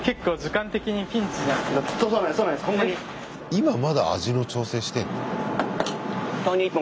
今まだ味の調整してんの？